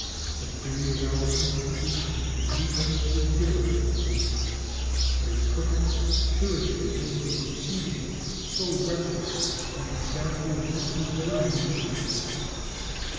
The theory of our institutions would lead us to a different conclusion. But a perfect security against a proceeding so reckless would be found to exist in the very nature of things.